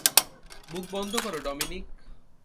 মুখ বন্ধ কর ডমিনিক!